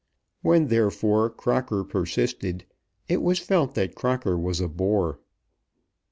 When, therefore, Crocker persisted it was felt that Crocker was a bore.